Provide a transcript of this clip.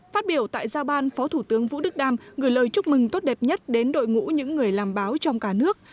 phát biểu tại giao ban phó thủ tướng vũ đức đam gửi lời chúc mừng tốt đẹp nhất đến đội ngũ những người làm báo trong cả nước